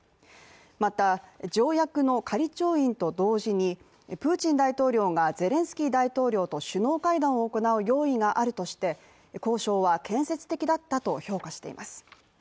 また、条約の仮調印と同時にプーチン大統領がゼレンスキー大統領と首脳会談を行う用意があるとして、交渉は建設的だったと評価しています。